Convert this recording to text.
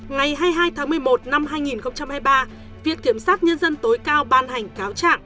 ngày hai mươi hai tháng một mươi một năm hai nghìn hai mươi ba viện kiểm sát nhân dân tối cao ban hành cáo trạng